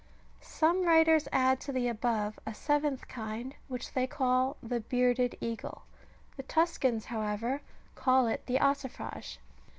Some writers add to the above a seventh kind, which they call the " bearded "^^ eagle ; the Tuscans, however, call it the ossifrage.